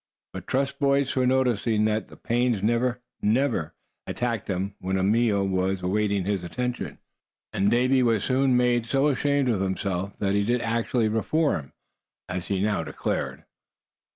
But trust boys for noticing that the pains never, never attacked him when a meal was awaiting attention. And Davy was soon made so ashamed of himself that he did actually "reform," as he now declared.